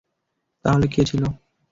তাহলে কে ছিলো?